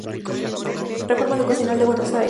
Reforma Educacional en Buenos Aires.